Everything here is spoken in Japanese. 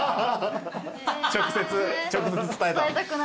直接伝えた。